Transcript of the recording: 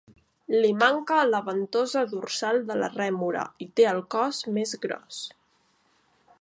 Li manca la ventosa dorsal de la rèmora i té el cos més gros.